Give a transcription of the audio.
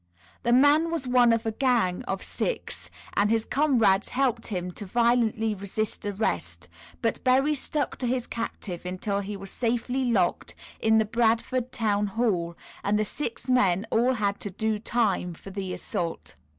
The man was one of a gang of six, and his comrades helped him to violently resist arrest, but Berry stuck to his captive until he was safely locked in the Bradford Town Hall, and the six men all had to "do time" for the assault.